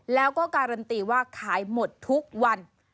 แล้วก็การันตีว่าขายหมดทุกวัน